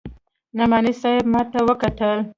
نعماني صاحب ما ته وکتل.